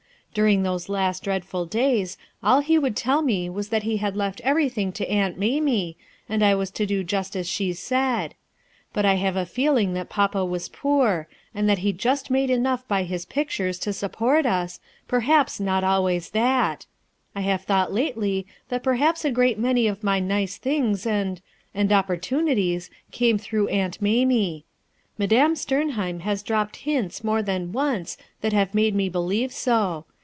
During those last dreadful days, all he would tell me was that he had left everything to Aunt Mamie, and I was to do just as she said. But I have a feeling PUZZLING QUESTIONS 295 that papa was poor; and that he just made enough by his pictures to support us, perhaps not always that; I have thought lately that perhaps a great many of my nice things and — and opportunities, came through Aunt Mamie. Madame Sternheim has dropped hints more than once that have made me believe so.